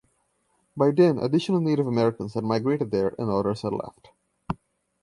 By then additional Native Americans had migrated there and others had left.